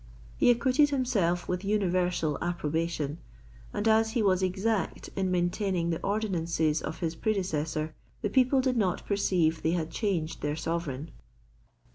He acquitted himself with universal approbation: and as he was exact in maintaining the ordinances of his predecessor, the people did not perceive they had changed their sovereign.